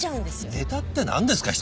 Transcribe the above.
ネタって何ですか？